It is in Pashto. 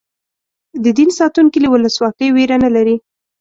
د دین ساتونکي له ولسواکۍ وېره نه لري.